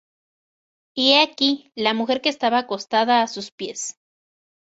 y he aquí, la mujer que estaba acostada á sus pies.